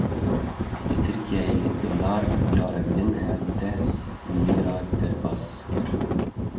Li Tirkiyeyê dolar careke din hevdeh lîre derbas kir.